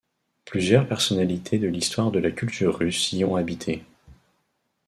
Plusieurs personnalités de l'histoire de la culture russe y ont habité.